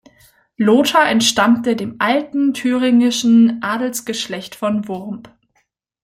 Lothar entstammte dem alten thüringischen Adelsgeschlecht von Wurmb.